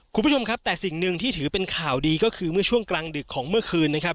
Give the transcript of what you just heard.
คุณผู้ชมครับแต่สิ่งหนึ่งที่ถือเป็นข่าวดีก็คือเมื่อช่วงกลางดึกของเมื่อคืนนะครับ